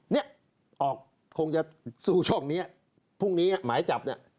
เนี่ยออกคงจะสู้ช่องนี้พรุ่งนี้หมายจับเนี่ย